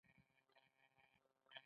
درېیمه نړۍ محتاج قومونه یې پر مخ چلوي.